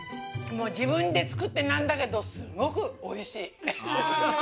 じぶんでつくってなんだけどすごくおいしい。